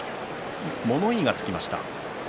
物言いがつきました。